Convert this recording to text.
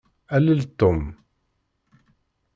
Alel Tom.